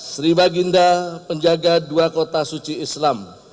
sri baginda penjaga dua kota suci islam